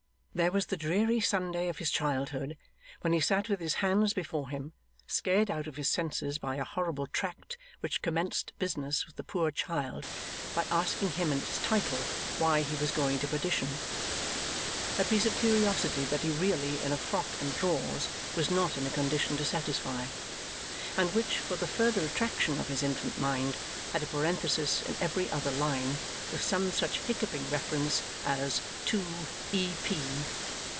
There was the dreary Sunday of his childhood, when he sat with his hands before him, scared out of his senses by a horrible tract which commenced business with the poor child by asking him in its title, why he was going to Perdition? a piece of curiosity that he really, in a frock and drawers, was not in a condition to satisfy and which, for the further attraction of his infant mind, had a parenthesis in every other line with some such hiccupping reference as 2 Ep.